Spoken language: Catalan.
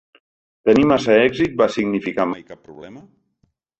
Tenir massa èxit va significar mai cap problema?